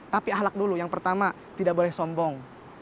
tapi ahlak dulu yang pertama tidak boleh sombong